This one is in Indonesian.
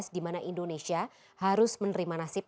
di mana indonesia harus menerima nasib